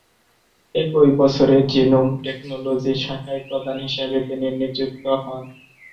একই বছরে genome technology শাখায় প্রধান হিসেবে তিনি নিযুক্ত হন।